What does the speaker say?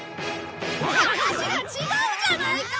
話が違うじゃないか！